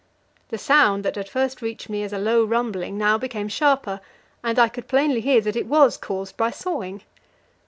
The sound that had first reached me as a low rumbling now became sharper, and I could plainly hear that it was caused by sawing.